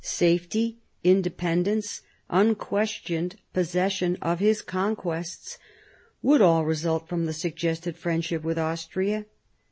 Safety, independence, unquestioned possession of his conquests would all result from the suggested friendship with Austria.